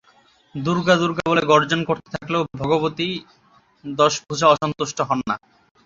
দুর্গা দুর্গা বলে গর্জন করতে থাকলেও ভগবতী দশভুজা অসন্তুষ্ট হন না।